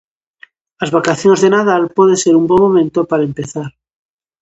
As vacacións de Nadal pode ser un bo momento para empezar.